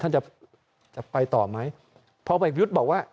ทายังไงท่านจะไปต่อไหมเพราะพลังพิทธิ์ว่า